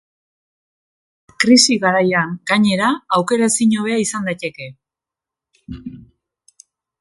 Krisi garaian, gainera, aukera ezinhobea izan daiteke.